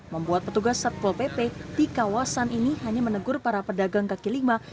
membuat petugas satpol pp di kawasan ini hanya menegur para pedagang kaki lima